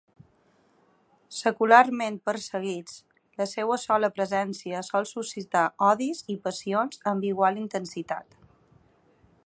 Secularment perseguits, la seua sola presència sol suscitar odis i passions amb igual intensitat.